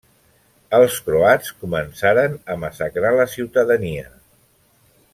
Els croats començaren a massacrar la ciutadania.